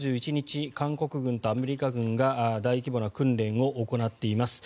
韓国軍とアメリカ軍が大規模な訓練を行っています。